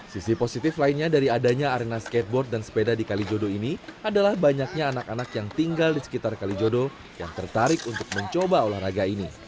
sisi positif lainnya dari adanya arena skateboard dan sepeda di kalijodo ini adalah banyaknya anak anak yang tinggal di sekitar kalijodo yang tertarik untuk mencoba olahraga ini